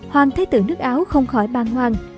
hoàng thế tử nước áo không khỏi bàn hoàng